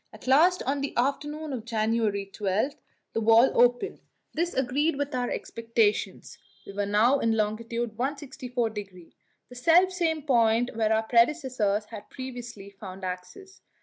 At last, on the afternoon of January 12, the wall opened. This agreed with our expectations; we were now in long. 164°, the selfsame point where our predecessors had previously found access.